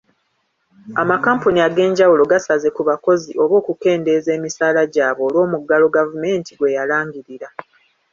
Amakampuni ag'enjawulo gasaze ku bakozi oba okukendeeza emisaala gyabwe olw'omuggalo gavumenti gweyalangirira.